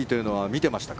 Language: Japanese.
見てました。